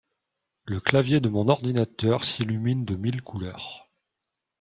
Le clavier de mon ordinateur s'illumine de mille couleurs